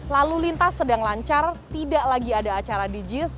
lalu lintas sedang lancar tidak lagi ada acara di jis